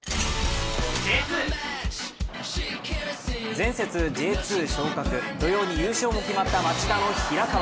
前節Ｊ２昇格、土曜に優勝も決まった町田の平河。